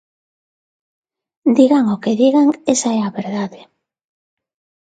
Digan o que digan, esa é a verdade.